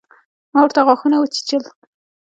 ما ورته غاښونه وچيچل.